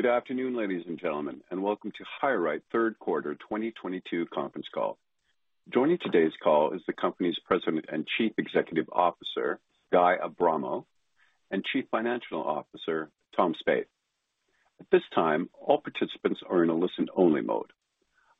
Good afternoon, ladies and gentlemen, and welcome to HireRight Q3 2022 conference call. Joining today's call is the company's President and Chief Executive Officer, Guy Abramo, and Chief Financial Officer, Thomas Spaeth. At this time, all participants are in a listen-only mode.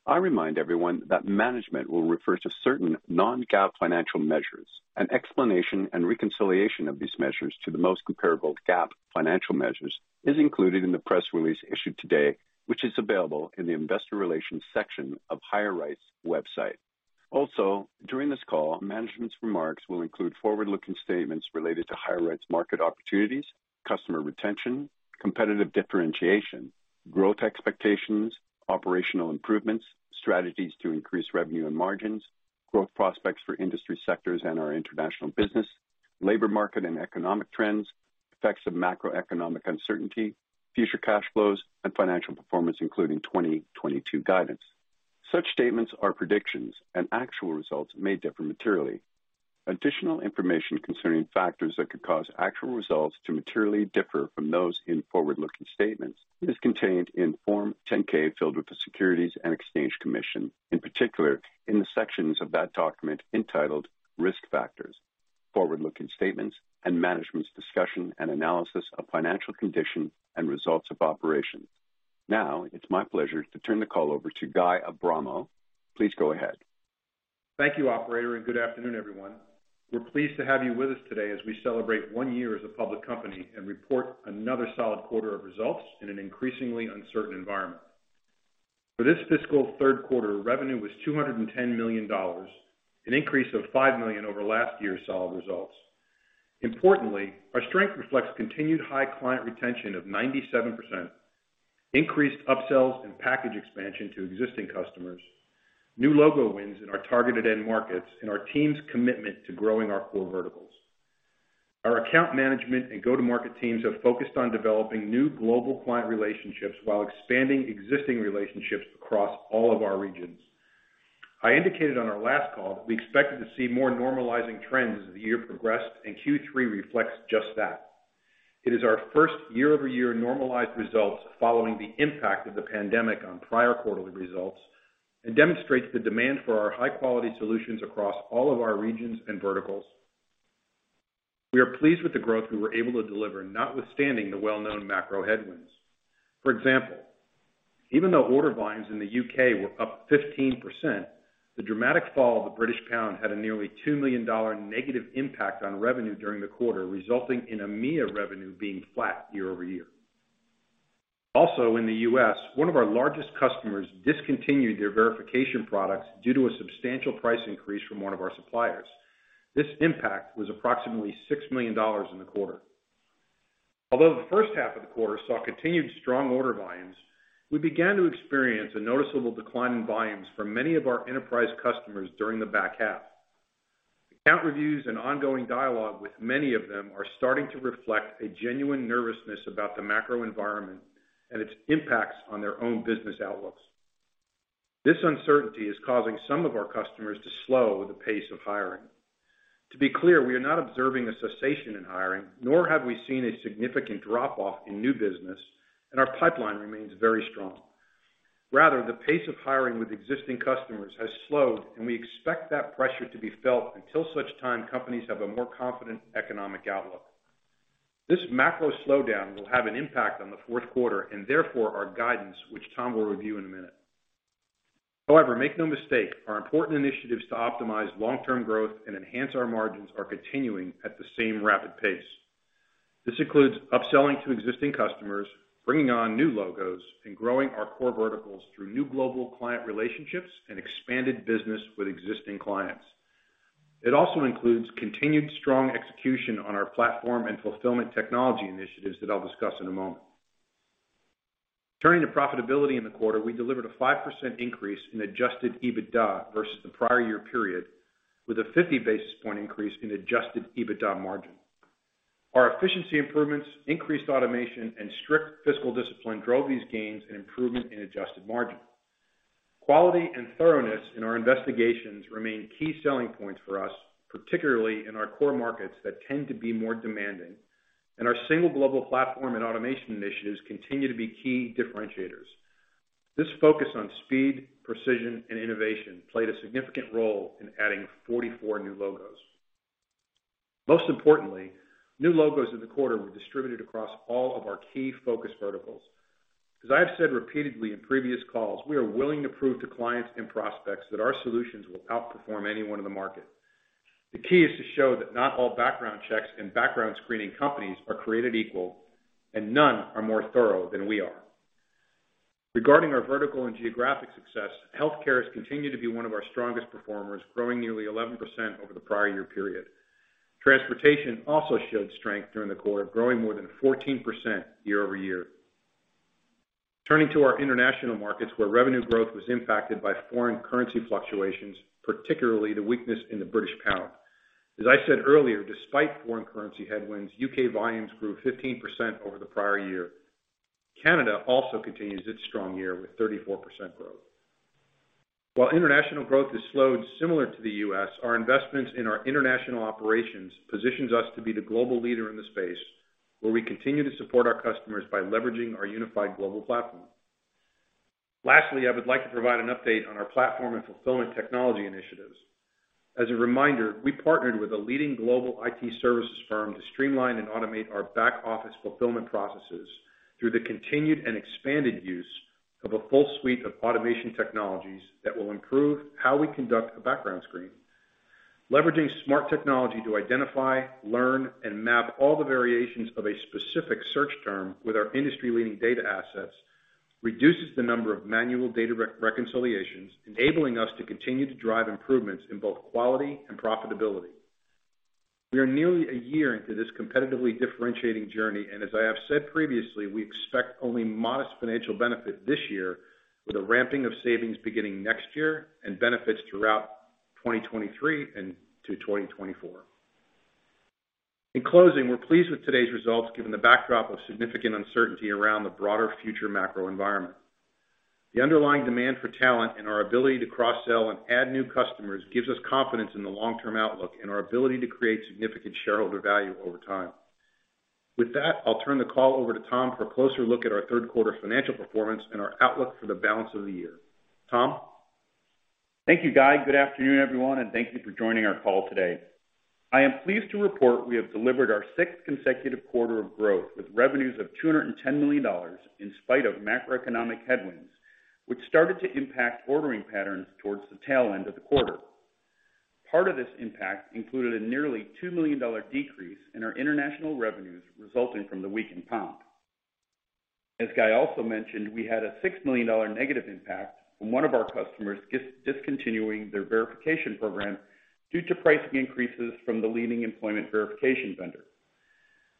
I remind everyone that management will refer to certain non-GAAP financial measures. An explanation and reconciliation of these measures to the most comparable GAAP financial measures is included in the press release issued today, which is available in the investor relations section of HireRight's website. Also, during this call, management's remarks will include forward-looking statements related to HireRight's market opportunities, customer retention, competitive differentiation, growth expectations, operational improvements, strategies to increase revenue and margins, growth prospects for industry sectors and our international business, labor market and economic trends, effects of macroeconomic uncertainty, future cash flows, and financial performance, including 2022 guidance. Such statements are predictions and actual results may differ materially. Additional information concerning factors that could cause actual results to materially differ from those in forward-looking statements is contained in Form 10-K filed with the Securities and Exchange Commission, in particular in the sections of that document entitled Risk Factors, Forward-Looking Statements, and Management's Discussion and Analysis of Financial Condition and Results of Operations. Now it's my pleasure to turn the call over to Guy Abramo. Please go ahead. Thank you operator, and good afternoon, everyone. We're pleased to have you with us today as we celebrate one year as a public company and report another solid quarter of results in an increasingly uncertain environment. For this fiscal Q3, revenue was $210 million, an increase of $5 million over last year's solid results. Importantly, our strength reflects continued high client retention of 97%, increased upsells and package expansion to existing customers, new logo wins in our targeted end markets, and our team's commitment to growing our core verticals. Our account management and go-to-market teams have focused on developing new global client relationships while expanding existing relationships across all of our regions. I indicated on our last call that we expected to see more normalizing trends as the year progressed, and Q3 reflects just that. It is our first year-over-year normalized results following the impact of the pandemic on prior quarterly results and demonstrates the demand for our high-quality solutions across all of our regions and verticals. We are pleased with the growth we were able to deliver notwithstanding the well-known macro headwinds. For example, even though order volumes in the U.K. were up 15%, the dramatic fall of the British pound had a nearly $2 million negative impact on revenue during the quarter, resulting in EMEA revenue being flat year-over-year. Also in the US, one of our largest customers discontinued their verification products due to a substantial price increase from one of our suppliers. This impact was approximately $6 million in the quarter. Although the first half of the quarter saw continued strong order volumes, we began to experience a noticeable decline in volumes from many of our enterprise customers during the back half. Account reviews and ongoing dialogue with many of them are starting to reflect a genuine nervousness about the macro environment and its impacts on their own business outlooks. This uncertainty is causing some of our customers to slow the pace of hiring. To be clear, we are not observing a cessation in hiring, nor have we seen a significant drop-off in new business, and our pipeline remains very strong. Rather, the pace of hiring with existing customers has slowed, and we expect that pressure to be felt until such time companies have a more confident economic outlook. This macro slowdown will have an impact on the Q4 and therefore our guidance, which Tom will review in a minute. However, make no mistake, our important initiatives to optimize long-term growth and enhance our margins are continuing at the same rapid pace. This includes upselling to existing customers, bringing on new logos, and growing our core verticals through new global client relationships and expanded business with existing clients. It also includes continued strong execution on our platform and fulfillment technology initiatives that I'll discuss in a moment. Turning to profitability in the quarter, we delivered a 5% increase in adjusted EBITDA versus the prior year period, with a 50 basis point increase in adjusted EBITDA margin. Our efficiency improvements, increased automation, and strict fiscal discipline drove these gains and improvement in adjusted margin. Quality and thoroughness in our investigations remain key selling points for us, particularly in our core markets that tend to be more demanding, and our single global platform and automation initiatives continue to be key differentiators. This focus on speed, precision, and innovation played a significant role in adding 44 new logos. Most importantly, new logos in the quarter were distributed across all of our key focus verticals. As I have said repeatedly in previous calls, we are willing to prove to clients and prospects that our solutions will outperform anyone in the market. The key is to show that not all background checks and background screening companies are created equal, and none are more thorough than we are. Regarding our vertical and geographic success, healthcare has continued to be one of our strongest performers, growing nearly 11% over the prior year period. Transportation also showed strength during the quarter, growing more than 14% year over year. Turning to our international markets, where revenue growth was impacted by foreign currency fluctuations, particularly the weakness in the British pound. As I said earlier, despite foreign currency headwinds, UK volumes grew 15% over the prior year. Canada also continues its strong year with 34% growth. While international growth has slowed similar to the U.S., our investments in our international operations positions us to be the global leader in the space where we continue to support our customers by leveraging our unified global platform. Lastly, I would like to provide an update on our platform and fulfillment technology initiatives. As a reminder, we partnered with a leading global IT services firm to streamline and automate our back-office fulfillment processes through the continued and expanded use of a full suite of automation technologies that will improve how we conduct a background screen. Leveraging smart technology to identify, learn, and map all the variations of a specific search term with our industry-leading data assets reduces the number of manual data re-reconciliations, enabling us to continue to drive improvements in both quality and profitability. We are nearly a year into this competitively differentiating journey, and as I have said previously, we expect only modest financial benefit this year, with a ramping of savings beginning next year and benefits throughout 2023 and to 2024. In closing, we're pleased with today's results, given the backdrop of significant uncertainty around the broader future macro environment. The underlying demand for talent and our ability to cross-sell and add new customers gives us confidence in the long-term outlook and our ability to create significant shareholder value over time. With that, I'll turn the call over to Tom for a closer look at our Q3 financial performance and our outlook for the balance of the year. Tom? Thank you, Guy. Good afternoon, everyone, and thank you for joining our call today. I am pleased to report we have delivered our sixth consecutive quarter of growth with revenues of $210 million in spite of macroeconomic headwinds, which started to impact ordering patterns towards the tail end of the quarter. Part of this impact included a nearly $2 million decrease in our international revenues resulting from the weakened pound. As Guy also mentioned, we had a $6 million negative impact from one of our customers discontinuing their verification program due to pricing increases from the leading employment verification vendor.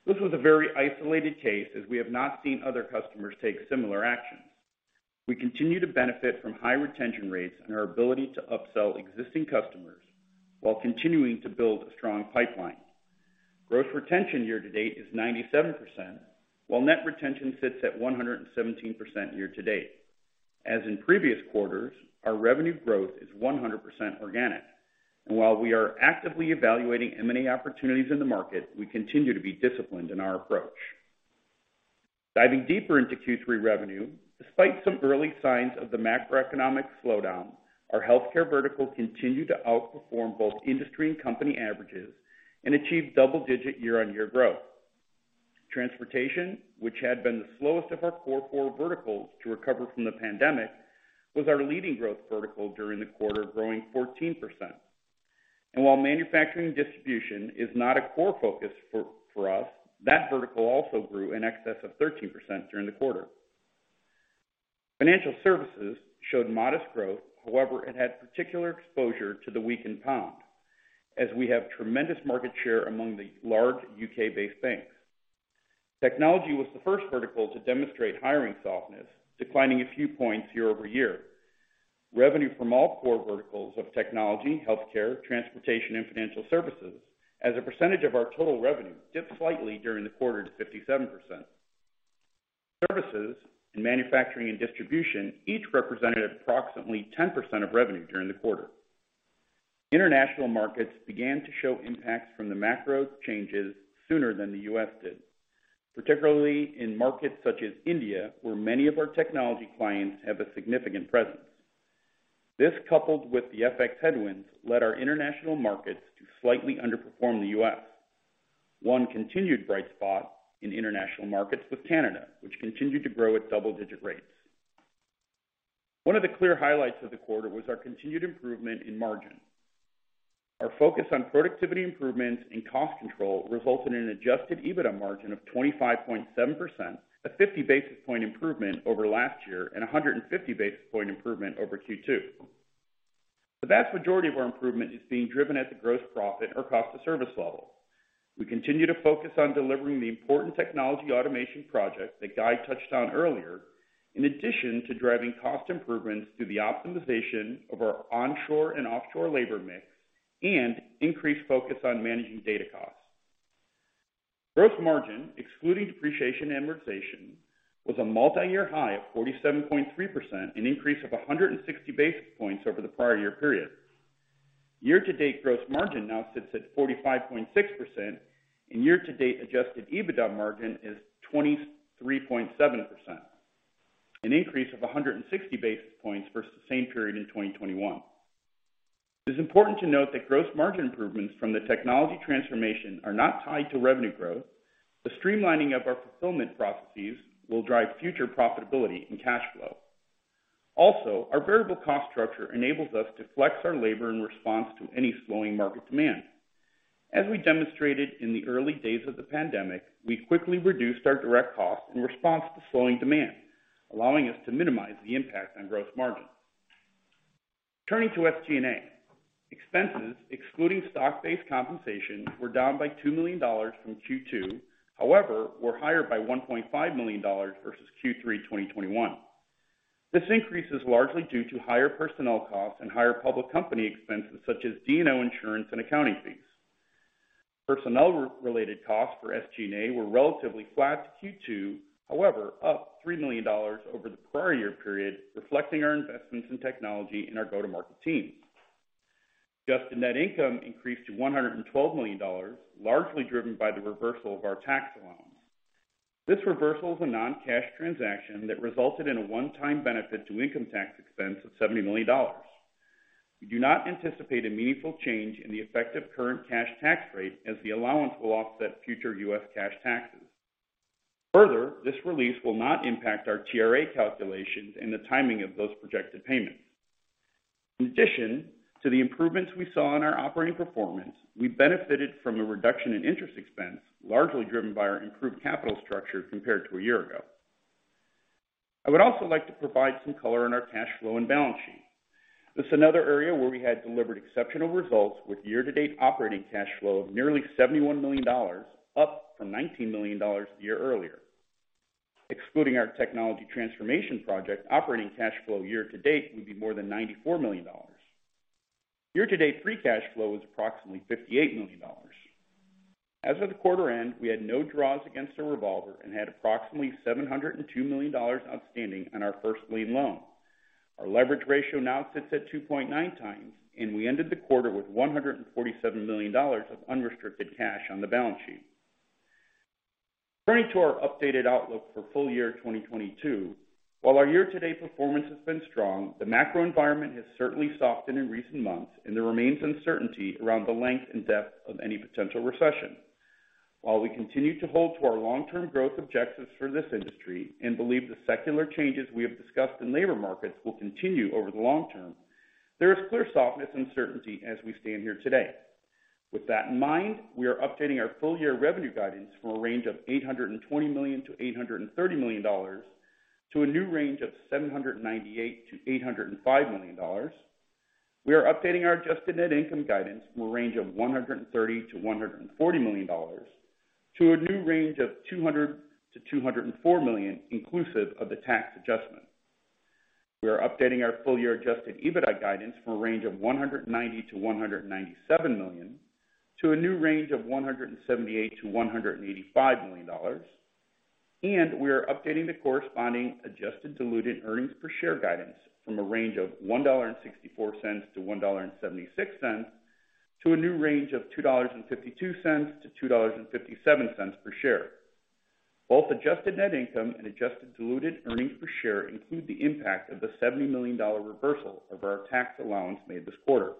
This was a very isolated case as we have not seen other customers take similar actions. We continue to benefit from high retention rates and our ability to upsell existing customers while continuing to build a strong pipeline. Gross retention year to date is 97%, while net retention sits at 117% year to date. As in previous quarters, our revenue growth is 100% organic. While we are actively evaluating M&A opportunities in the market, we continue to be disciplined in our approach. Diving deeper into Q3 revenue, despite some early signs of the macroeconomic slowdown, our healthcare vertical continued to outperform both industry and company averages and achieve double-digit year-on-year growth. Transportation, which had been the slowest of our core four verticals to recover from the pandemic, was our leading growth vertical during the quarter, growing 14%. While manufacturing distribution is not a core focus for us, that vertical also grew in excess of 13% during the quarter. Financial services showed modest growth. However, it had particular exposure to the weakened pound, as we have tremendous market share among the large U.K.-based banks. Technology was the first vertical to demonstrate hiring softness, declining a few points year-over-year. Revenue from all core verticals of technology, healthcare, transportation, and financial services as a percentage of our total revenue dipped slightly during the quarter to 57%. Services and manufacturing and distribution each represented approximately 10% of revenue during the quarter. International markets began to show impacts from the macro changes sooner than the U.S. did, particularly in markets such as India, where many of our technology clients have a significant presence. This, coupled with the FX headwinds, led our international markets to slightly underperform the U.S. One continued bright spot in international markets was Canada, which continued to grow at double-digit rates. One of the clear highlights of the quarter was our continued improvement in margin. Our focus on productivity improvements and cost control resulted in an adjusted EBITDA margin of 25.7%, a 50 basis point improvement over last year, and a 150 basis point improvement over Q2. The vast majority of our improvement is being driven at the gross profit or cost of service level. We continue to focus on delivering the important technology automation projects that Guy touched on earlier, in addition to driving cost improvements through the optimization of our onshore and offshore labor mix and increased focus on managing data costs. Gross margin, excluding depreciation amortization, was a multiyear high of 47.3%, an increase of 160 basis points over the prior year period. Year-to-date gross margin now sits at 45.6%, and year-to-date adjusted EBITDA margin is 23.7%, an increase of 160 basis points versus the same period in 2021. It is important to note that gross margin improvements from the technology transformation are not tied to revenue growth. The streamlining of our fulfillment processes will drive future profitability and cash flow. Our variable cost structure enables us to flex our labor in response to any slowing market demand. As we demonstrated in the early days of the pandemic, we quickly reduced our direct costs in response to slowing demand, allowing us to minimize the impact on gross margin. Turning to SG&A. Expenses excluding stock-based compensation were down by $2 million from Q2. However, they were higher by $1.5 million versus Q3 2021. This increase is largely due to higher personnel costs and higher public company expenses such as D&O insurance and accounting fees. Personnel-related costs for SG&A were relatively flat to Q2, however, up $3 million over the prior year period, reflecting our investments in technology and our go-to-market teams. Adjusted net income increased to $112 million, largely driven by the reversal of our tax allowance. This reversal is a non-cash transaction that resulted in a one-time benefit to income tax expense of $70 million. We do not anticipate a meaningful change in the effective current cash tax rate as the allowance will offset future U.S. cash taxes. Further, this release will not impact our TRA calculations and the timing of those projected payments. In addition to the improvements we saw in our operating performance, we benefited from a reduction in interest expense, largely driven by our improved capital structure compared to a year ago. I would also like to provide some color on our cash flow and balance sheet. This is another area where we had delivered exceptional results with year-to-date operating cash flow of nearly $71 million, up from $19 million a year earlier. Excluding our technology transformation project, operating cash flow year to date would be more than $94 million. Year to date, free cash flow is approximately $58 million. As of the quarter end, we had no draws against our revolver and had approximately $702 million outstanding on our first lien loan. Our leverage ratio now sits at 2.9 times, and we ended the quarter with $147 million of unrestricted cash on the balance sheet. Turning to our updated outlook for full year 2022. While our year-to-date performance has been strong, the macro environment has certainly softened in recent months, and there remains uncertainty around the length and depth of any potential recession. While we continue to hold to our long-term growth objectives for this industry and believe the secular changes we have discussed in labor markets will continue over the long term, there is clear softness and uncertainty as we stand here today. With that in mind, we are updating our full year revenue guidance from a range of $820-830 million to a new range of $798-805 million. We are updating our adjusted net income guidance from a range of $130-140 million to a new range of $200-204 million inclusive of the tax adjustment. We are updating our full year adjusted EBITDA guidance from a range of $190-197 million to a new range of $178-185 million. We are updating the corresponding adjusted diluted earnings per share guidance from a range of $1.64-$1.76 to a new range of $2.52-$2.57 per share. Both adjusted net income and adjusted diluted earnings per share include the impact of the $70 million reversal of our tax allowance made this quarter.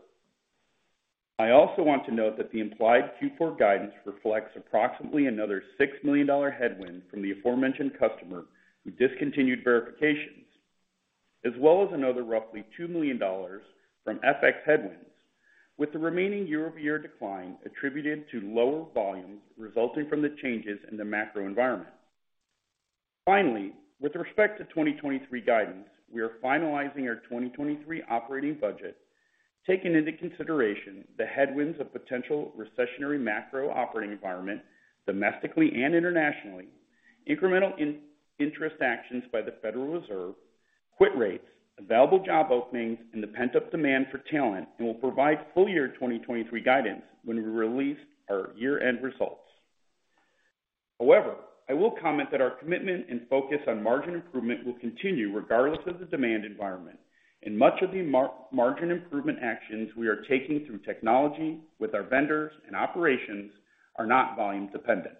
I also want to note that the implied Q4 guidance reflects approximately another $6 million headwind from the aforementioned customer who discontinued verifications, as well as another roughly $2 million from FX headwinds, with the remaining year-over-year decline attributed to lower volumes resulting from the changes in the macro environment. Finally, with respect to 2023 guidance, we are finalizing our 2023 operating budget, taking into consideration the headwinds of potential recessionary macroeconomic environment domestically and internationally, incremental interest rate actions by the Federal Reserve, quit rates, available job openings, and the pent-up demand for talent, and will provide full year 2023 guidance when we release our year-end results. However, I will comment that our commitment and focus on margin improvement will continue regardless of the demand environment, and much of the margin improvement actions we are taking through technology with our vendors and operations are not volume dependent.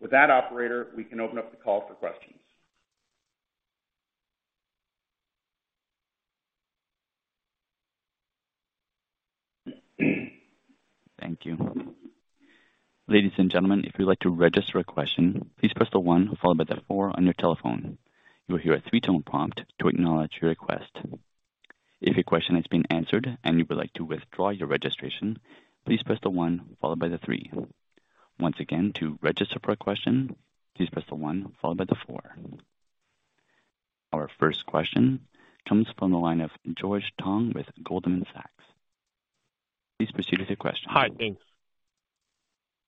With that, operator, we can open up the call for questions. Thank you. Ladies and gentlemen, if you'd like to register a question, please press the one followed by the four on your telephone. You will hear a three tone prompt to acknowledge your request. If your question has been answered and you would like to withdraw your registration, please press the one followed by the three. Once again, to register for a question, please press the one followed by the four. Our first question comes from the line of George Tong with Goldman Sachs. Please proceed with your question. Hi. Thanks.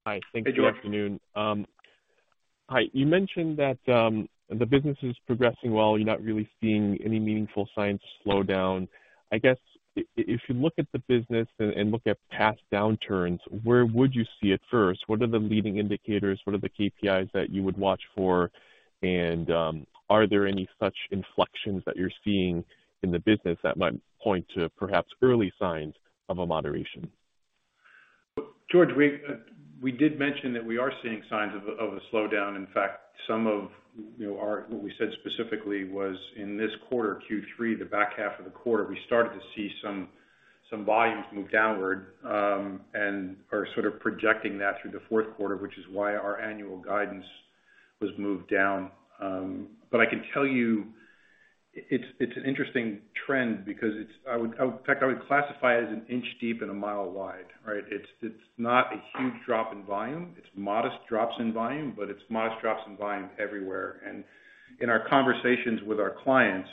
Hi. Thank you. Hey, George. Good afternoon. Hi. You mentioned that, the business is progressing well. You're not really seeing any meaningful signs of slowdown. I guess if you look at the business and look at past downturns, where would you see it first? What are the leading indicators? What are the KPIs that you would watch for? Are there any such inflections that you're seeing in the business that might point to perhaps early signs of a moderation? George, we did mention that we are seeing signs of a slowdown. In fact, what we said specifically was in this quarter, Q3, the back half of the quarter, we started to see some volumes move downward, and are sort of projecting that through the Q4, which is why our annual guidance was moved down. But I can tell you it's an interesting trend because I would classify it as an inch deep and a mile wide, right? It's not a huge drop in volume. It's modest drops in volume, but it's modest drops in volume everywhere. In our conversations with our clients,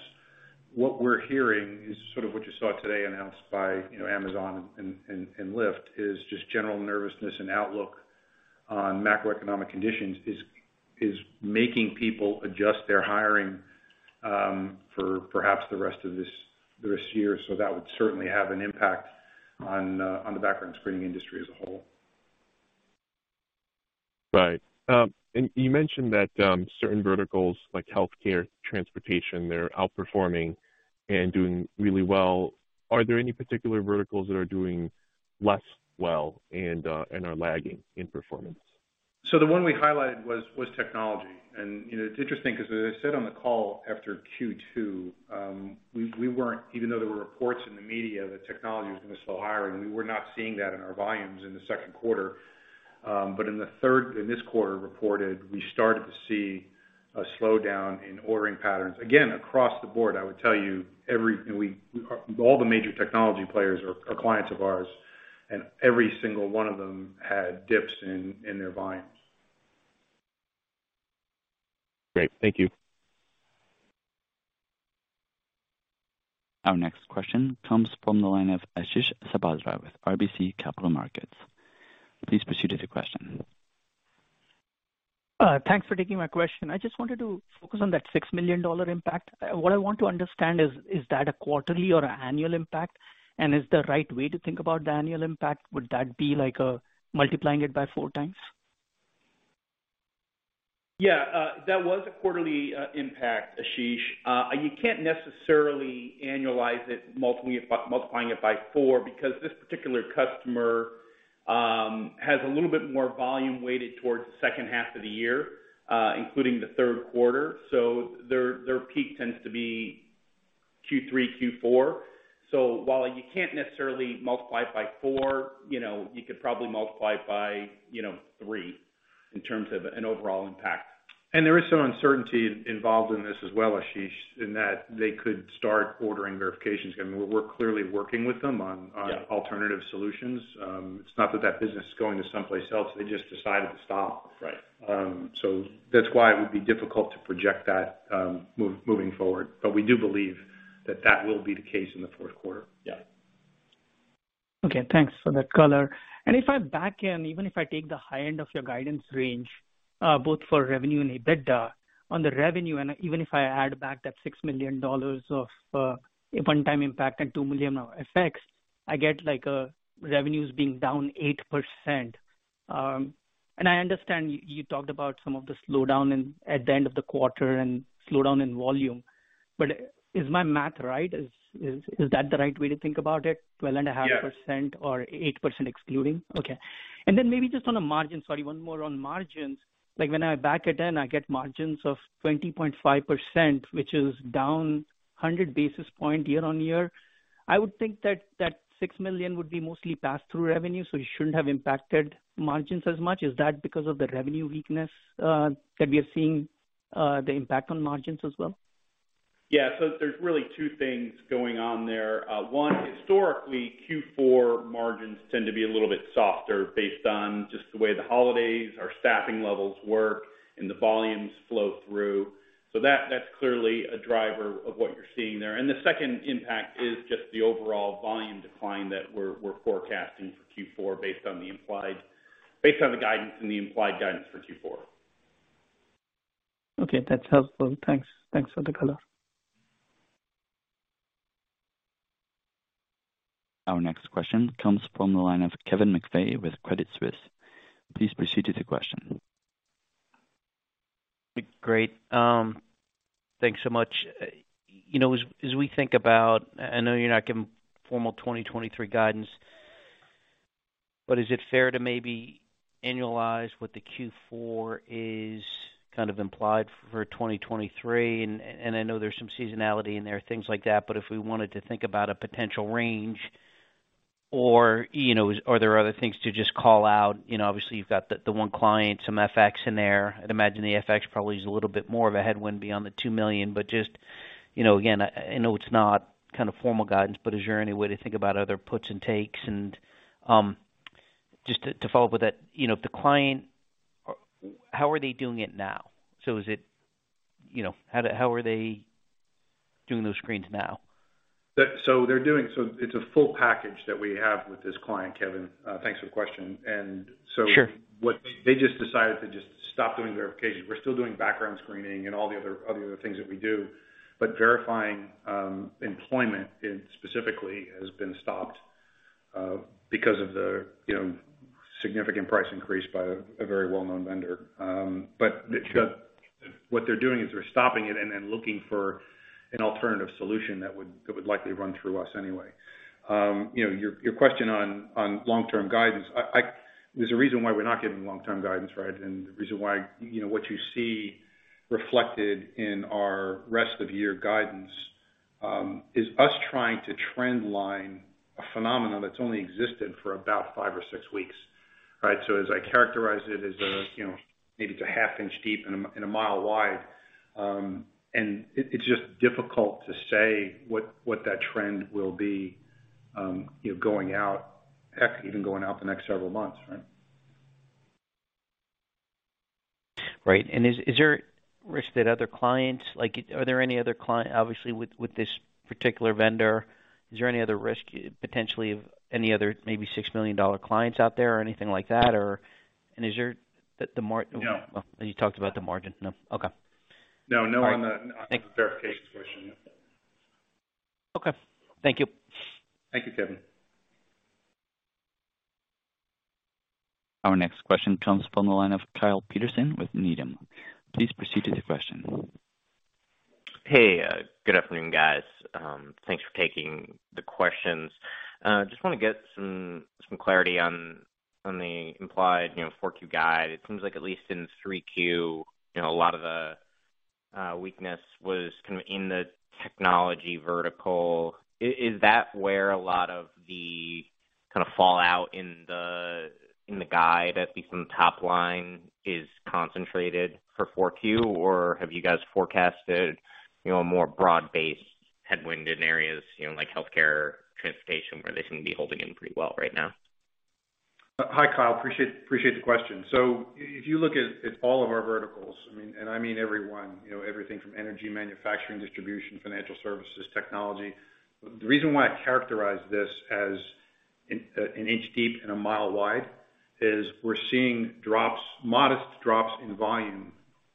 what we're hearing is sort of what you saw today announced by, you know, Amazon and Lyft, is just general nervousness and outlook on macroeconomic conditions is making people adjust their hiring. For perhaps the rest of this year. That would certainly have an impact on the background screening industry as a whole. Right. You mentioned that certain verticals like healthcare, transportation, they're outperforming and doing really well. Are there any particular verticals that are doing less well and are lagging in performance? The one we highlighted was technology. You know, it's interesting because as I said on the call after Q2, we weren't even though there were reports in the media that technology was going to slow hiring, we were not seeing that in our volumes in the Q2. But in this quarter reported, we started to see a slowdown in ordering patterns. Again, across the board, I would tell you all the major technology players are clients of ours, and every single one of them had dips in their volumes. Great. Thank you. Our next question comes from the line of Ashish Sabadra with RBC Capital Markets. Please proceed with your question. Thanks for taking my question. I just wanted to focus on that $6 million impact. What I want to understand is that a quarterly or annual impact? Is the right way to think about the annual impact, would that be like, multiplying it by four times? Yeah. That was a quarterly impact, Ashish. You can't necessarily annualize it multiplying it by four because this particular customer has a little bit more volume weighted towards the second half of the year, including the Q3. Their peak tends to be Q3, Q4. While you can't necessarily multiply it by four, you know, you could probably multiply it by, you know, three in terms of an overall impact. There is some uncertainty involved in this as well, Ashish, in that they could start ordering verifications again. We're clearly working with them on alternative solutions. It's not that business is going to someplace else. They just decided to stop. Right. That's why it would be difficult to project that move, moving forward. We do believe that that will be the case in the Q4. Yeah. Okay. Thanks for that color. If I back in, even if I take the high end of your guidance range, both for revenue and EBITDA, on the revenue, and even if I add back that $6 million of a one-time impact and $2 million of FX effects, I get like revenues being down 8%. I understand you talked about some of the slowdown at the end of the quarter and slowdown in volume. Is my math right? Is that the right way to think about it? 12.5% or 8% excluding? Okay. Maybe just on the margin. Sorry, one more on margins. Like, when I back it in, I get margins of 20.5%, which is down 100 basis points year-over-year. I would think that $6 million would be mostly pass-through revenue, so it shouldn't have impacted margins as much. Is that because of the revenue weakness that we are seeing, the impact on margins as well? Yeah. There's really two things going on there. One, historically, Q4 margins tend to be a little bit softer based on just the way the holidays, our staffing levels work, and the volumes flow through. That, that's clearly a driver of what you're seeing there. The second impact is just the overall volume decline that we're forecasting for Q4 based on the guidance and the implied guidance for Q4. Okay. That's helpful. Thanks. Thanks for the color. Our next question comes from the line of Kevin McVeigh with Credit Suisse. Please proceed with your question. Great. Thanks so much. You know, as we think about. I know you're not giving formal 2023 guidance, but is it fair to maybe annualize what the Q4 is kind of implied for 2023? I know there's some seasonality in there, things like that, but if we wanted to think about a potential range or, you know, are there other things to just call out? You know, obviously you've got the one client, some FX in there. I'd imagine the FX probably is a little bit more of a headwind beyond the $2 million. But just, you know, again, I know it's not kind of formal guidance, but is there any way to think about other puts and takes? Just to follow up with that, you know, the client, how are they doing it now? Is it you know, how are they doing those screens now? It's a full package that we have with this client, Kevin. Thanks for the question. Sure. They just decided to just stop doing verifications. We're still doing background screening and all the other things that we do. But verifying employment specifically has been stopped because of the significant price increase by a very well-known vendor. What they're doing is they're stopping it and then looking for an alternative solution that would likely run through us anyway. You know, your question on long-term guidance. There's a reason why we're not giving long-term guidance, right? The reason why, you know, what you see reflected in our rest of year guidance is us trying to trend line a phenomenon that's only existed for about five or six weeks, right? As I characterize it as a, you know, maybe it's a half inch deep and a mile wide, and it's just difficult to say what that trend will be, you know, going out, heck, even going out the next several months, right? Right. Is there risk that other clients? Like, are there any other clients obviously, with this particular vendor, is there any other risk potentially of any other maybe $6 million clients out there or anything like that? No. You talked about the margin. No. Okay. No, no on the. All right. Thank you. Verification question. Okay. Thank you. Thank you, Kevin. Our next question comes from the line of Kyle Peterson with Needham. Please proceed with your question. Hey, good afternoon, guys. Thanks for taking the questions. Just wanna get some clarity on the implied, you know, 4Q guide. It seems like at least in 3Q, you know, a lot of the weakness was kind of in the technology vertical. Is that where a lot of the kinda fallout in the guide, at least from the top line, is concentrated for 4Q? Or have you guys forecasted, you know, a more broad-based headwind in areas, you know, like healthcare, transportation, where they seem to be holding in pretty well right now? Hi, Kyle. Appreciate the question. So if you look at all of our verticals, I mean every one, you know, everything from energy, manufacturing, distribution, financial services, technology. The reason why I characterize this as an inch deep and a mile wide is we're seeing drops, modest drops in volume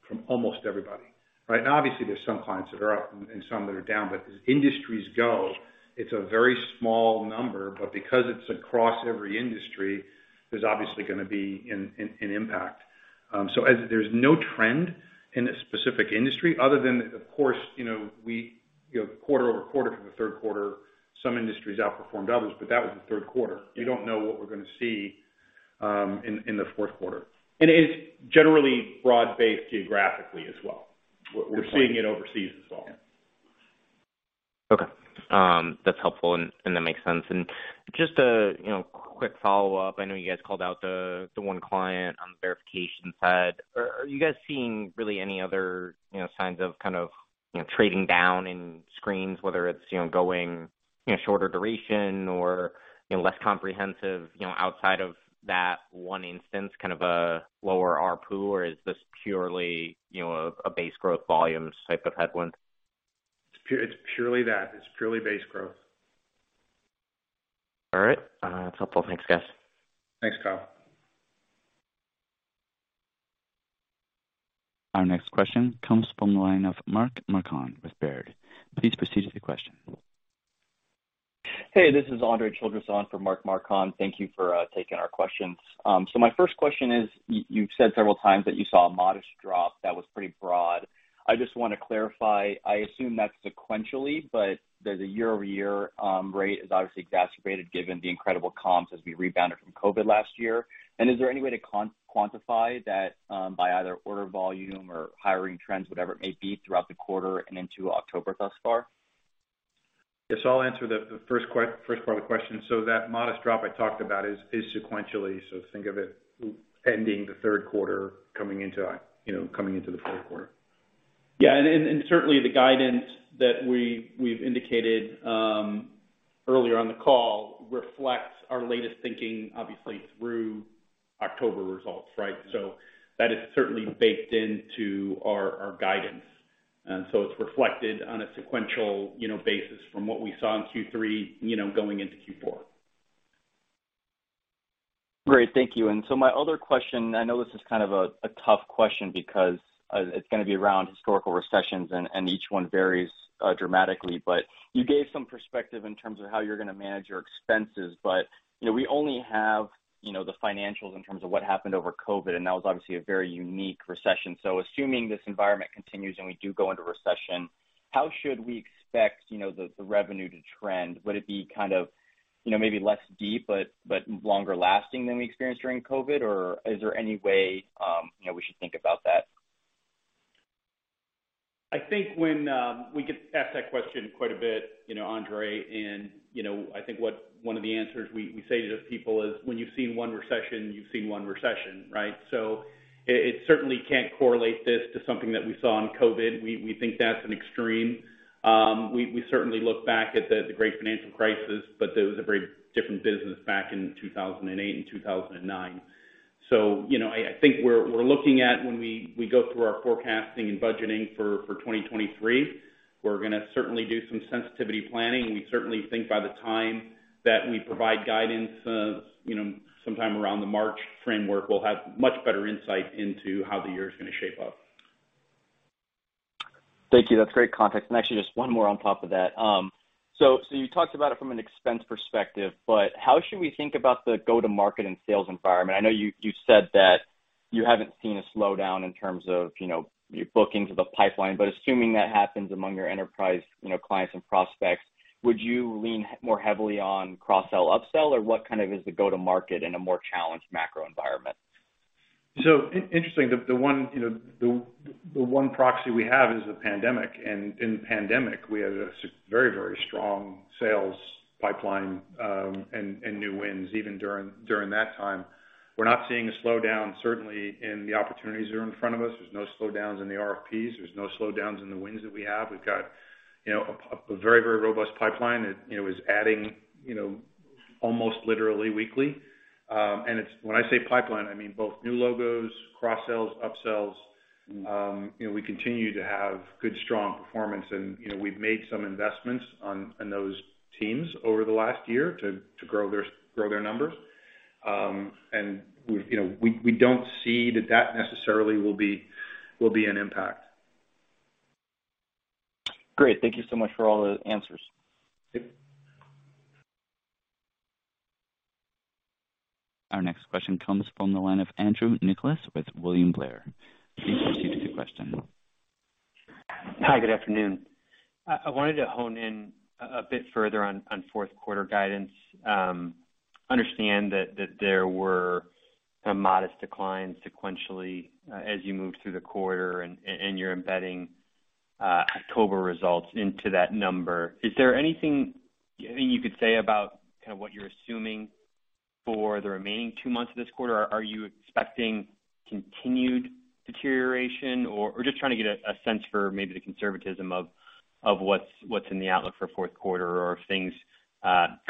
from almost everybody, right? Now, obviously, there's some clients that are up and some that are down, but as industries go, it's a very small number. Because it's across every industry, there's obviously gonna be an impact. So there's no trend in a specific industry other than of course, you know, quarter over quarter for the Q3, some industries outperformed others, but that was the Q3. We don't know what we're gonna see in the Q4. It's generally broad-based geographically as well. We're seeing it overseas as well. Okay. That's helpful and that makes sense. Just a quick follow-up. I know you guys called out the one client on the verification side. Are you guys seeing really any other signs of trading down in screens, whether it's going shorter duration or less comprehensive outside of that one instance, kind of a lower ARPU, or is this purely a base growth volumes type of headwind? It's purely that. It's purely base growth. All right. That's helpful. Thanks, guys. Thanks, Kyle. Our next question comes from the line of Mark Marcon with Baird. Please proceed with your question. Hey, this is Andre Childress on for Mark Marcon. Thank you for taking our questions. So my first question is, you've said several times that you saw a modest drop that was pretty broad. I just wanna clarify. I assume that's sequentially, but there's a year-over-year rate is obviously exacerbated given the incredible comps as we rebounded from COVID last year. Is there any way to quantify that by either order volume or hiring trends, whatever it may be, throughout the quarter and into October thus far? Yes, I'll answer the first part of the question. That modest drop I talked about is sequentially. Think of it ending the Q3 coming into, you know, coming into the Q4. Yeah. Certainly the guidance that we've indicated earlier on the call reflects our latest thinking, obviously through October results, right? That is certainly baked into our guidance. It's reflected on a sequential, you know, basis from what we saw in Q3, you know, going into Q4. Great. Thank you. My other question, I know this is kind of a tough question because it's gonna be around historical recessions and each one varies dramatically. You gave some perspective in terms of how you're gonna manage your expenses. You know, we only have, you know, the financials in terms of what happened over COVID, and that was obviously a very unique recession. Assuming this environment continues and we do go into recession, how should we expect, you know, the revenue to trend? Would it be kind of, you know, maybe less deep, but longer lasting than we experienced during COVID? Or is there any way, you know, we should think about that? I think when we get asked that question quite a bit, you know, Andre. You know, I think what one of the answers we say to people is, "When you've seen one recession, you've seen one recession," right? It certainly can't correlate this to something that we saw in COVID. We think that's an extreme. We certainly look back at the great financial crisis, but it was a very different business back in 2008 and 2009. You know, I think we're looking at when we go through our forecasting and budgeting for 2023. We're gonna certainly do some sensitivity planning. We certainly think by the time that we provide guidance, you know, sometime around the March framework, we'll have much better insight into how the year is gonna shape up. Thank you. That's great context. Actually just one more on top of that. So you talked about it from an expense perspective, but how should we think about the go-to-market and sales environment? I know you said that you haven't seen a slowdown in terms of, you know, your bookings or the pipeline. But assuming that happens among your enterprise, you know, clients and prospects, would you lean more heavily on cross-sell, up-sell, or what kind of is the go-to-market in a more challenged macro environment? Interesting. The one proxy we have is the pandemic. In pandemic we had a very, very strong sales pipeline, and new wins even during that time. We're not seeing a slowdown certainly in the opportunities that are in front of us. There's no slowdowns in the RFPs. There's no slowdowns in the wins that we have. We've got a very, very robust pipeline that is adding almost literally weekly. When I say pipeline, I mean both new logos, cross-sells, up-sells. We continue to have good, strong performance and we've made some investments on, in those. Teams over the last year to grow their numbers. We've, you know, we don't see that necessarily will be an impact. Great. Thank you so much for all the answers. Yep. Our next question comes from the line of Andrew Nicholas with William Blair. Please proceed with your question. Hi, good afternoon. I wanted to hone in a bit further on Q4 guidance. I understand that there were some modest declines sequentially as you moved through the quarter and you're embedding October results into that number. Is there anything you could say about kind of what you're assuming for the remaining two months of this quarter? Are you expecting continued deterioration? Just trying to get a sense for maybe the conservatism of what's in the outlook for Q4 or if things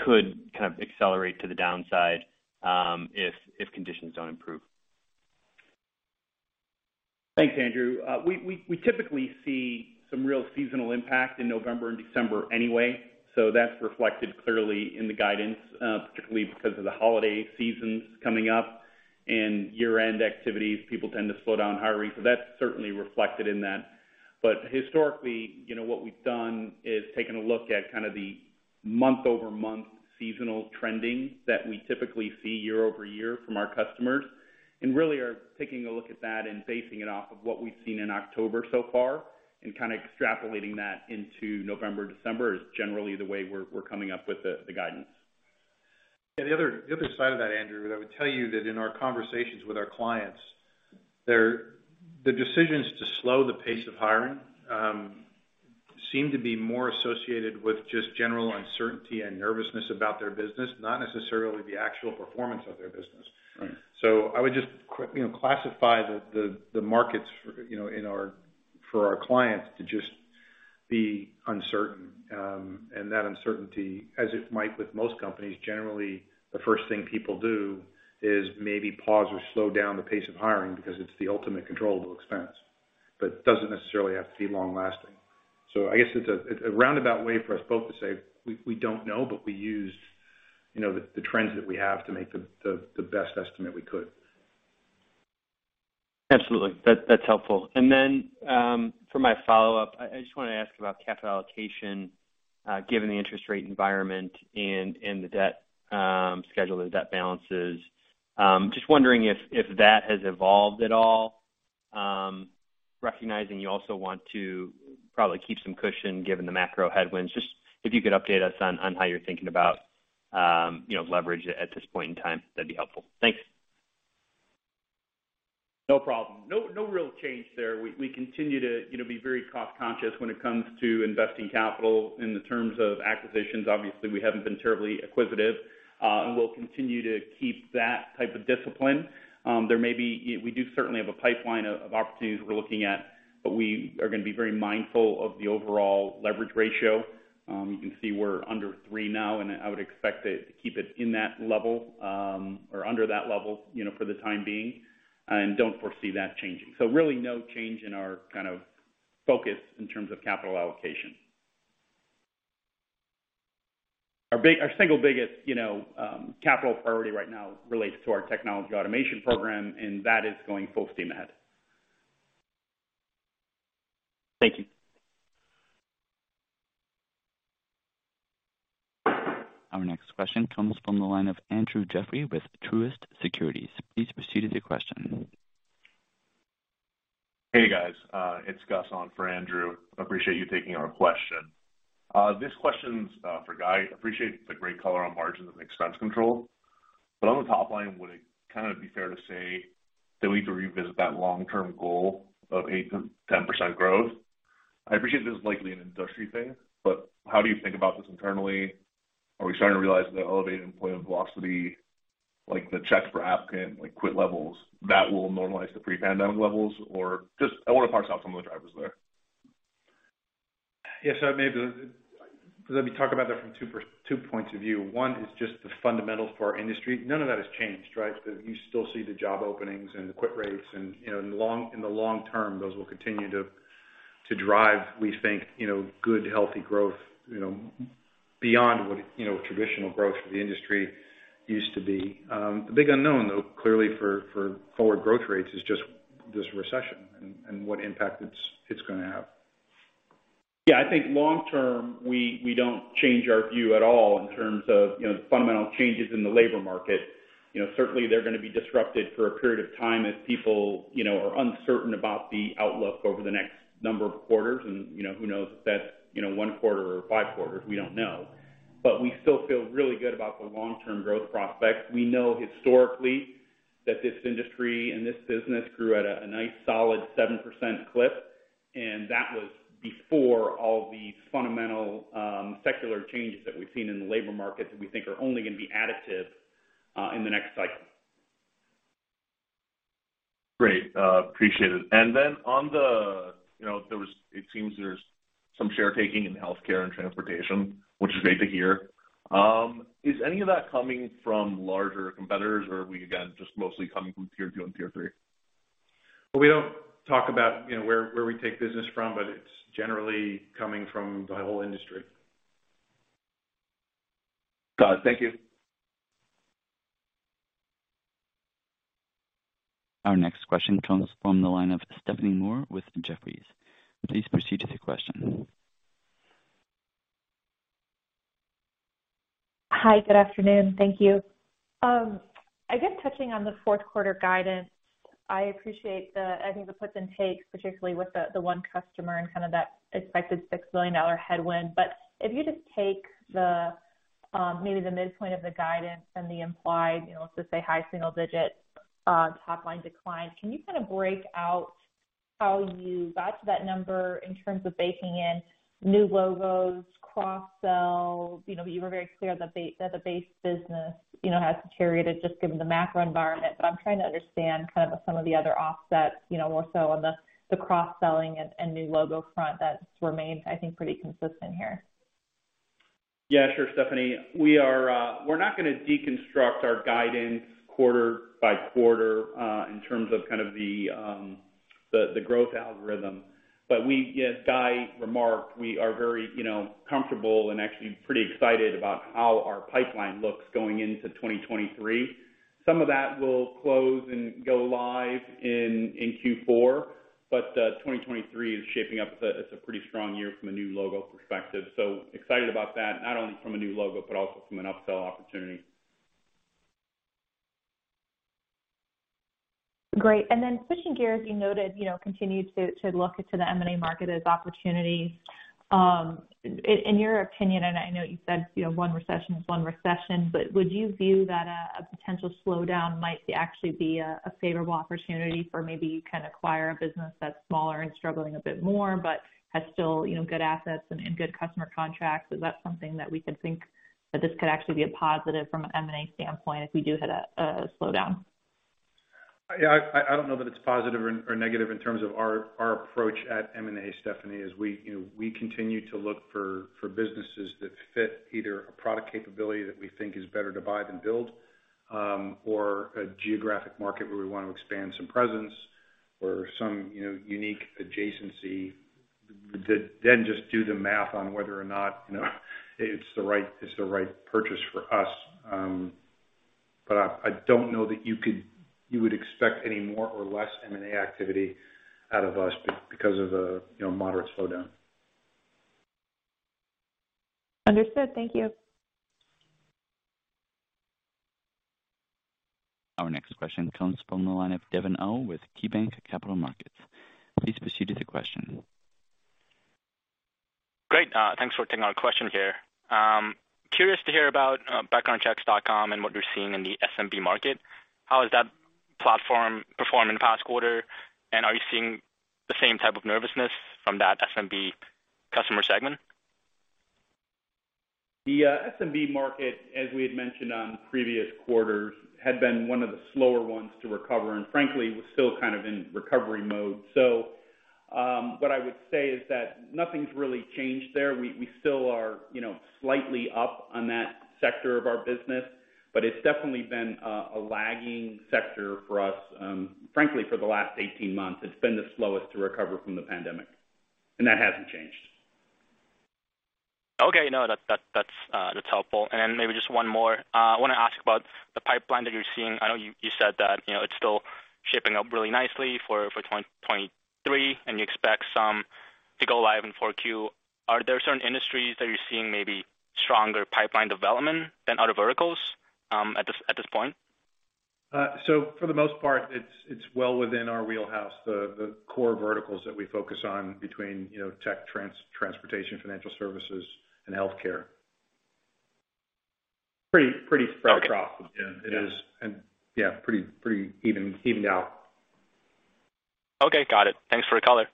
could kind of accelerate to the downside if conditions don't improve. Thanks, Andrew. We typically see some real seasonal impact in November and December anyway, so that's reflected clearly in the guidance, particularly because of the holiday seasons coming up and year-end activities, people tend to slow down hiring. That's certainly reflected in that. Historically, you know, what we've done is taken a look at kind of the month-over-month seasonal trending that we typically see year-over-year from our customers, and really are taking a look at that and basing it off of what we've seen in October so far and kinda extrapolating that into November, December, is generally the way we're coming up with the guidance. Yeah, the other side of that, Andrew, that I would tell you that in our conversations with our clients, their decisions to slow the pace of hiring seem to be more associated with just general uncertainty and nervousness about their business, not necessarily the actual performance of their business. Right. I would just you know classify the markets for you know for our clients to just be uncertain. That uncertainty, as it might with most companies, generally the first thing people do is maybe pause or slow down the pace of hiring because it's the ultimate controllable expense. Doesn't necessarily have to be long-lasting. I guess it's a roundabout way for us both to say, we don't know, but we used you know the trends that we have to make the best estimate we could. Absolutely. That's helpful. Then, for my follow-up, I just wanna ask about capital allocation, given the interest rate environment and the debt schedule, the debt balances. Just wondering if that has evolved at all, recognizing you also want to probably keep some cushion given the macro headwinds. Just if you could update us on how you're thinking about, you know, leverage at this point in time, that'd be helpful. Thanks. No problem. No, no real change there. We continue to, you know, be very cost conscious when it comes to investing capital. In terms of acquisitions, obviously, we haven't been terribly acquisitive, and we'll continue to keep that type of discipline. We do certainly have a pipeline of opportunities we're looking at, but we are gonna be very mindful of the overall leverage ratio. You can see we're under three now, and I would expect to keep it in that level, or under that level, you know, for the time being, and don't foresee that changing. Really no change in our kind of focus in terms of capital allocation. Our single biggest, you know, capital priority right now relates to our technology automation program, and that is going full steam ahead. Thank you. Our next question comes from the line of Andrew Jeffrey with Truist Securities. Please proceed with your question. Hey, guys. It's Gus on for Andrew. Appreciate you taking our question. This question's for Guy. Appreciate the great color on margins and expense control. On the top line, would it kinda be fair to say that we need to revisit that long-term goal of 8%-10% growth? I appreciate this is likely an industry thing, but how do you think about this internally? Are we starting to realize the elevated employment velocity, like the checks per applicant, like quit levels, that will normalize the pre-pandemic levels? Or just I wanna parse out some of the drivers there. Yes, maybe let me talk about that from two points of view. One is just the fundamentals for our industry. None of that has changed, right? You still see the job openings and the quit rates and, you know, in the long term, those will continue to drive, we think, you know, good, healthy growth, you know, beyond what a, you know, traditional growth for the industry used to be. A big unknown, though, clearly for forward growth rates is just this recession and what impact it's gonna have. Yeah, I think long term, we don't change our view at all in terms of, you know, the fundamental changes in the labor market. You know, certainly they're gonna be disrupted for a period of time as people, you know, are uncertain about the outlook over the next number of quarters. You know, who knows if that's, you know, one quarter or five quarters, we don't know. We still feel really good about the long-term growth prospects. We know historically that this industry and this business grew at a nice solid 7% clip, and that was before all the fundamental, secular changes that we've seen in the labor market that we think are only gonna be additive in the next cycle. Great. Appreciate it. You know, it seems there's some share taking in healthcare and transportation, which is great to hear. Is any of that coming from larger competitors, or are we, again, just mostly coming from tier two and tier three? Well, we don't talk about, you know, where we take business from, but it's generally coming from the whole industry. Got it. Thank you. Our next question comes from the line of Stephanie Moore with Jefferies. Please proceed with your question. Hi, good afternoon. Thank you. I guess touching on the Q4 guidance, I appreciate the, I think the puts and takes, particularly with the one customer and kind of that expected $6 million headwind. If you just take the, maybe the midpoint of the guidance and the implied, you know, let's just say high single-digit, top-line decline, can you kind of break out how you got to that number in terms of baking in new logos, cross-sells? You know, you were very clear that that the base business, you know, has deteriorated just given the macro environment. I'm trying to understand kind of some of the other offsets, you know, more so on the cross-selling and new logo front that remains, I think, pretty consistent here. Yeah, sure. Stephanie. We're not gonna deconstruct our guidance quarter by quarter, in terms of kind of the growth algorithm. We, as Guy remarked, are very, you know, comfortable and actually pretty excited about how our pipeline looks going into 2023. Some of that will close and go live in Q4. 2023 is shaping up as a pretty strong year from a new logo perspective. Excited about that, not only from a new logo, but also from an upsell opportunity. Great. Then switching gears, you noted, you know, continued to look to the M&A market as opportunities. In your opinion, and I know you said, you know, one recession is one recession, but would you view that a potential slowdown might actually be a favorable opportunity for maybe you can acquire a business that's smaller and struggling a bit more, but has still, you know, good assets and good customer contracts? Is that something that we could think that this could actually be a positive from an M&A standpoint if we do hit a slowdown? Yeah, I don't know that it's positive or negative in terms of our approach at M&A, Stephanie. We, you know, continue to look for businesses that fit either a product capability that we think is better to buy than build, or a geographic market where we want to expand some presence or some, you know, unique adjacency. Then just do the math on whether or not, you know, it's the right purchase for us. But I don't know that you would expect any more or less M&A activity out of us because of a, you know, moderate slowdown. Understood. Thank you. Our next question comes from the line of Devin Au with KeyBanc Capital Markets. Please proceed with your question. Great. Thanks for taking our question here. Curious to hear about BackgroundChecks.com and what you're seeing in the SMB market. How is that platform performing in the past quarter, and are you seeing the same type of nervousness from that SMB customer segment? The SMB market, as we had mentioned on previous quarters, had been one of the slower ones to recover and frankly, was still kind of in recovery mode. What I would say is that nothing's really changed there. We still are, you know, slightly up on that sector of our business, but it's definitely been a lagging sector for us. Frankly, for the last 18 months, it's been the slowest to recover from the pandemic, and that hasn't changed. Okay. No, that's helpful. Maybe just one more. I want to ask about the pipeline that you're seeing. I know you said that, you know, it's still shaping up really nicely for 2023, and you expect some to go live in Q4. Are there certain industries that you're seeing maybe stronger pipeline development than other verticals at this point? For the most part, it's well within our wheelhouse. The core verticals that we focus on between, you know, tech, transportation, financial services, and healthcare. Pretty spread across. Okay. Yeah, it is. Yeah, pretty evened out. Okay. Got it. Thanks for the color.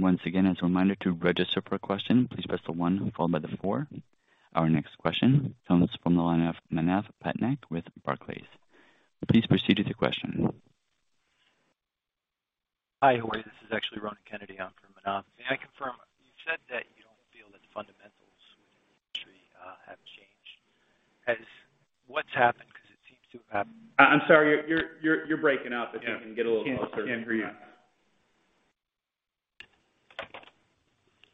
Once again, as a reminder to register for a question, please press one followed by four. Our next question comes from the line of Manav Patnaik with Barclays. Please proceed with your question. Hi. How are you? This is actually Ronan Kennedy on for Manav Patnaik. May I confirm, you said that you don't feel that the fundamentals within the industry have changed. What's happened? Because it seems to have happened. I'm sorry, you're breaking up. If you can get a little closer. Yeah. Can't hear you.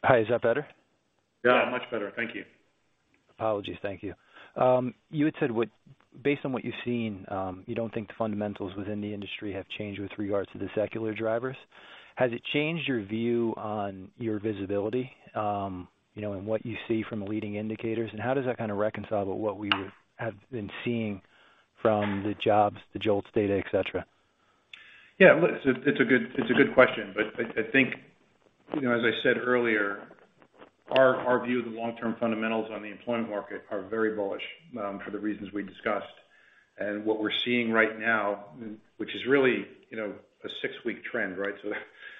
Hi, is that better? Yeah, much better. Thank you. Apologies. Thank you. You had said based on what you've seen, you don't think the fundamentals within the industry have changed with regards to the secular drivers. Has it changed your view on your visibility, you know, and what you see from the leading indicators, and how does that kind of reconcile with what we have been seeing from the jobs, the JOLTS data, et cetera? Yeah, look, it's a good question. I think, you know, as I said earlier, our view of the long-term fundamentals on the employment market are very bullish, for the reasons we discussed. What we're seeing right now, which is really, you know, a six week trend, right?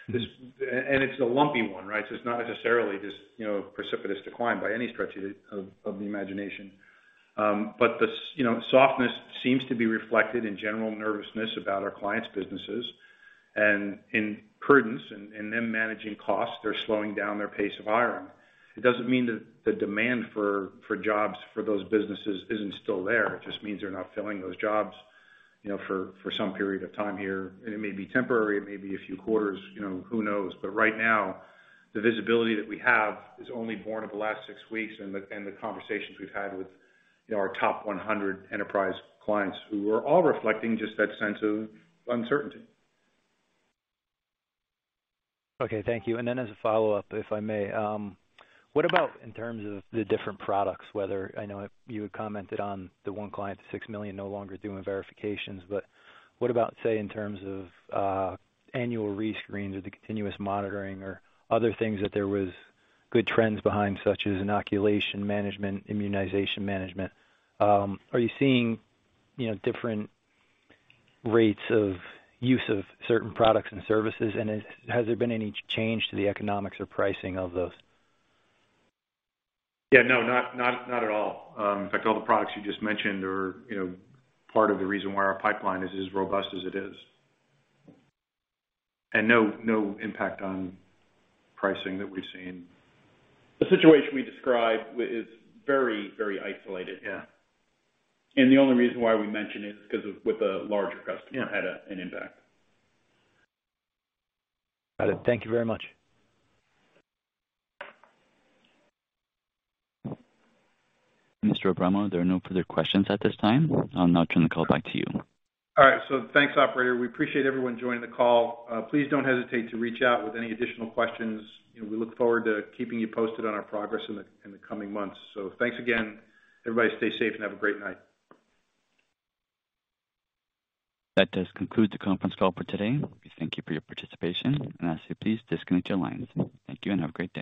It's a lumpy one, right? It's not necessarily this, you know, precipitous decline by any stretch of the imagination. But, you know, softness seems to be reflected in general nervousness about our clients' businesses. In prudence and them managing costs, they're slowing down their pace of hiring. It doesn't mean that the demand for jobs for those businesses isn't still there. It just means they're not filling those jobs, you know, for some period of time here. It may be temporary, it may be a few quarters, you know, who knows? Right now, the visibility that we have is only born of the last six weeks and the conversations we've had with, you know, our top 100 enterprise clients who are all reflecting just that sense of uncertainty. Okay. Thank you. Then as a follow-up, if I may, what about in terms of the different products? I know you had commented on the one client, the $6 million no longer doing verifications, but what about, say, in terms of annual rescreens or the continuous monitoring or other things that there was good trends behind, such as inoculation management, immunization management? Are you seeing, you know, different rates of use of certain products and services and has there been any change to the economics or pricing of those? Yeah, no, not at all. In fact, all the products you just mentioned are, you know, part of the reason why our pipeline is as robust as it is. No impact on pricing that we've seen. The situation we described is very, very isolated. Yeah. The only reason why we mention it is 'cause of, with a larger customer. Yeah Had an impact. Got it. Thank you very much. Mr. Abramo, there are no further questions at this time. I'll now turn the call back to you. All right. Thanks, operator. We appreciate everyone joining the call. Please don't hesitate to reach out with any additional questions, and we look forward to keeping you posted on our progress in the coming months. Thanks again. Everybody, stay safe and have a great night. That does conclude the conference call for today. We thank you for your participation and ask that you please disconnect your lines. Thank you, and have a great day.